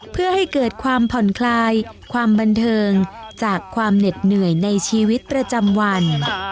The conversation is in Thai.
เพื่อให้เกิดความผ่อนคลายความบันเทิงจากความเหน็ดเหนื่อยในชีวิตประจำวัน